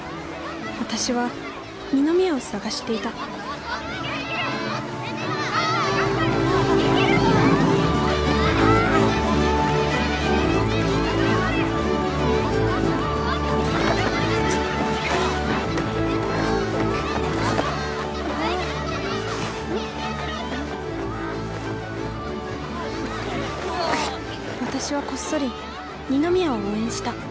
私は二宮を捜していた私はこっそり二宮を応援した。